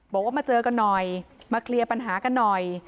บอกว่ามาเจอกันหน่อยมาเคลียร์ปัญหากันหน่อย